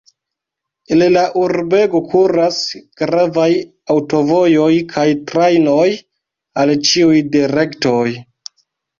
El la urbego kuras gravaj aŭtovojoj kaj trajnoj al ĉiuj direktoj.